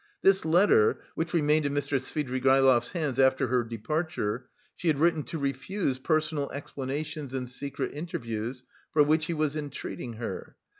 This letter, which remained in Mr. Svidrigaïlov's hands after her departure, she had written to refuse personal explanations and secret interviews, for which he was entreating her.